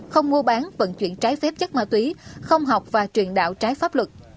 không mua bán vận chuyển trái phép chất ma túy không học và truyền đạo trái pháp luật